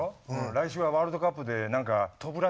来週はワールドカップで何か飛ぶらしいけど。